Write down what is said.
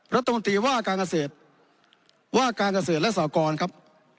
รัฐมนตรีว่าการเกษตรและส่วกรครับ